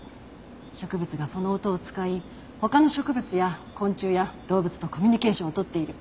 植物がその音を使い他の植物や昆虫や動物とコミュニケーションをとっている。